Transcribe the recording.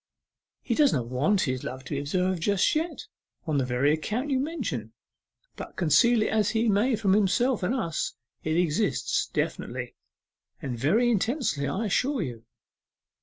He does not want his love to be observed just yet, on the very account you mention; but conceal it as he may from himself and us, it exists definitely and very intensely, I assure you.